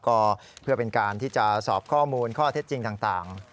ก็เพื่อเป็นการที่จะสอบข้อมูลข้อเท็จจริงต่าง